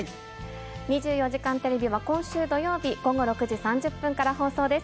２４時間テレビは今週土曜日午後６時３０分から放送です。